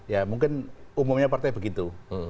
ya mungkin umumnya partai begitu